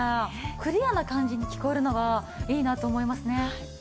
クリアな感じに聞こえるのがいいなと思いますね。